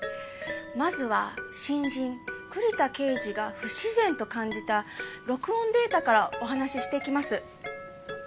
まずは新人栗田刑事が不自然と感じた録音データからお話ししていきます。